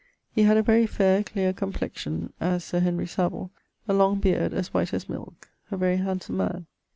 He had a very fair, clear complexione (as Sir Henry Savile); a long beard as white as milke. A very handsome man.